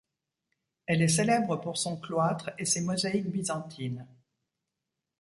Elle est célèbre pour son cloître et ses mosaïques byzantines.